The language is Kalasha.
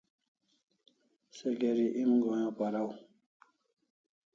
Se geri em goyon paraw